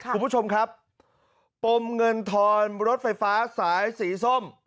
คุณผู้ชมครับปมเงินทอนรถไฟฟ้าสายสีส้ม